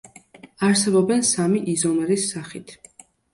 არსებობენ სამი იზომერის სახით.